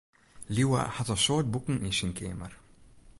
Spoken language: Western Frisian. Liuwe hat in soad boeken yn syn keamer.